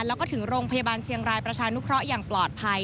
แล้วก็ถึงโรงพยาบาลเชียงรายประชานุเคราะห์อย่างปลอดภัย